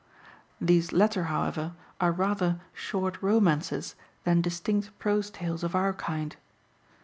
These latter, however, are rather short romances than distinct prose tales of our kind.